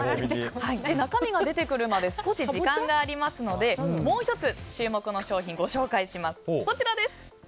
中身が出てくるまで少し時間がありますのでもう１つ注目の商品をご紹介します。